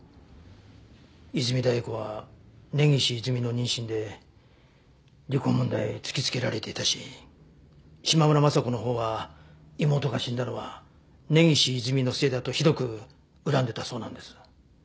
泉田栄子は根岸いずみの妊娠で離婚問題を突きつけられていたし島村昌子のほうは妹が死んだのは根岸いずみのせいだとひどく恨んでたそうなんです。